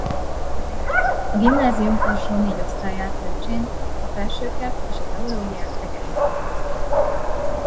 A gimnázium alsó négy osztályát Lőcsén a felsőket és a teológiát Egerben végezte.